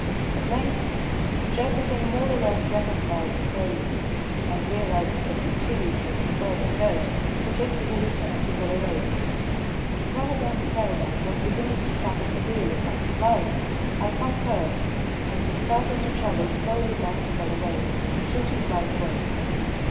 At length, Jack became more or less reconciled to failure, and realising the futility of further search suggested a return to Bulawayo. As our donkey caravan was beginning to suffer severely from the fly, I concurred, and we started to travel slowly back to Bulawayo, shooting by the way.